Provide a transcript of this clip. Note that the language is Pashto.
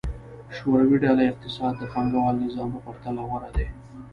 شوروي ډوله اقتصاد د پانګوال نظام په پرتله غوره دی.